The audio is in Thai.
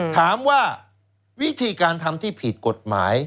ถามว่าวิธีการทำที่ผิดกฎหมาย